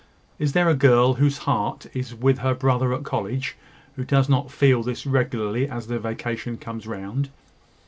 Is there a girl whose heart is with her brother at college, who does not feel this regularly as the vacation comes round?